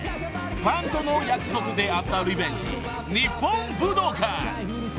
［ファンとの約束であったリベンジ日本武道館］